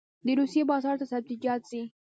د روسیې بازار ته سبزیجات ځي